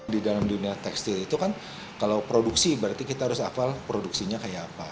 di dalam dunia tekstil itu kan kalau produksi berarti kita harus hafal produksinya kayak apa